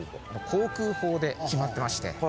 航空法で決まってまして。